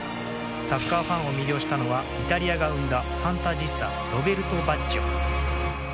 サッカーファンを魅了したのはイタリアが生んだファンタジスタロベルト・バッジョ。